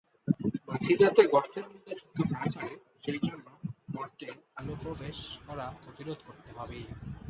মাছি যাতে গর্তের মধ্যে ঢুকতে না পারে সেই জন্য গর্তে আলো প্রবেশ করা প্রতিরোধ করতে হবে।